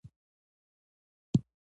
سيمه کي د باراني اوبو د بندېدو،